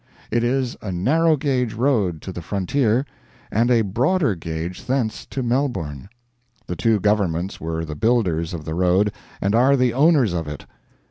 It is a narrow gage road to the frontier, and a broader gauge thence to Melbourne. The two governments were the builders of the road and are the owners of it.